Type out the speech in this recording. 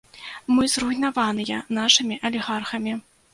Мы зруйнаваныя нашымі алігархамі.